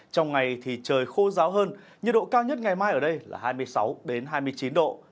trong ngày thì trời khô ráo hơn nhiệt độ cao nhất ngày mai ở đây là hai mươi sáu hai mươi chín độ